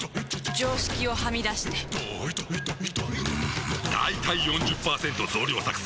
常識をはみ出してんだいたい ４０％ 増量作戦！